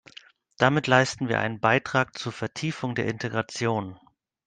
Damit leisten wir einen Beitrag zur Vertiefung der Integration.